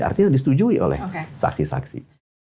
artinya disetujui oleh saksi saksi